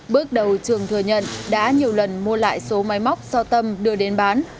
bước đầu trường thừa nhận đã nhiều lần mua lại số máy móc do tâm đưa đến bán